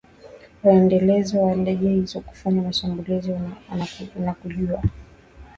wendelezo wa ndege hizi kufanya mashambulizi unakuja